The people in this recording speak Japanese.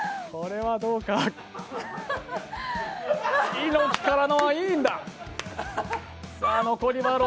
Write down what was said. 猪木からのアイーンだ。